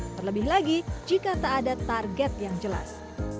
terlebih lagi jika tak ada target yang jelas